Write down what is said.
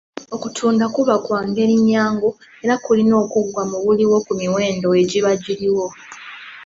Okutunda kuba kwa ngeri nnyangu era kulina okuggwa mu buliwo ku miwendo egiba giriwo.